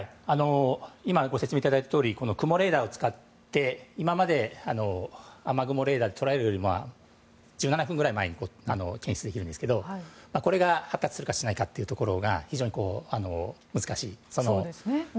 今、ご説明いただいたように雨雲レーダーを使って今まで雨雲レーダーで捉えるよりも１７分ぐらい前に検出できるんですがこれが発達するかしないかというところが非常に難しい。